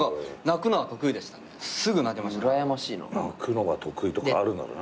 泣くのが得意とかあるんだな。